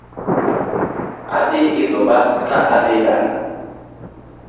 Adhi idho bas ka adhi dala